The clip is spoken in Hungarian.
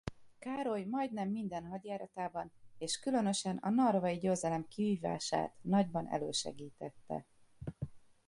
Károly majdnem minden hadjáratában és különösen a narvai győzelem kivívását nagyban elősegítette.